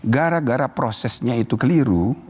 gara gara prosesnya itu keliru